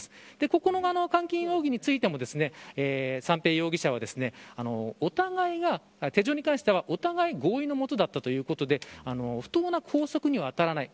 ここの監禁容疑についても三瓶容疑者はお互いが手錠に関しては合意の下だったということで不当な拘束には当たらない。